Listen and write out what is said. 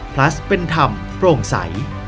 พลัสเป็นธรรมโปร่งใส